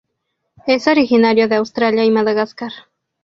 Es originario de Australia y Madagascar.